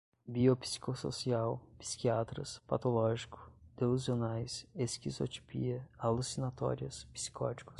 biopsicossocial, psiquiatras, patológico, delusionais, esquizotipia, alucinatórias, psicóticos